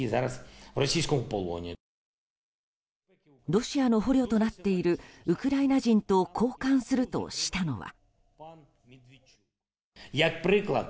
ロシアの捕虜となっているウクライナ人と交換するとしたのは。